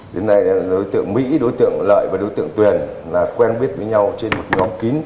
đến nay đối tượng mỹ đối tượng lợi và đối tượng tuyền là quen biết với nhau trên một nhóm kín